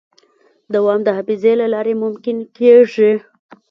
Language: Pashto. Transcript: دوام د حافظې له لارې ممکن کېږي.